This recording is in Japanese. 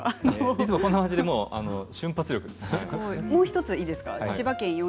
いつもこんな感じで瞬発力です。